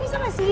bisa gak sih